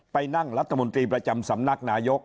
ไปนั่งรัฐมนตรีประจำสำนักนายก